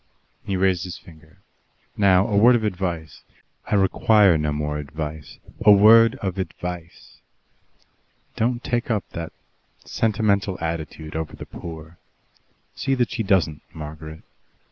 He raised his finger. "Now, a word of advice." "I require no more advice." "A word of advice. Don't take up that sentimental attitude over the poor. See that she doesn't, Margaret.